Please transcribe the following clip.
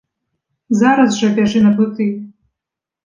Зараз жа бяжы на плыты.